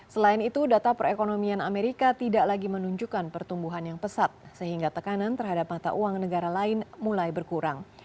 selain itu data perekonomian amerika tidak lagi menunjukkan pertumbuhan yang pesat sehingga tekanan terhadap mata uang negara lain mulai berkurang